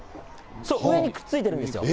そう、上にくっついてるんです。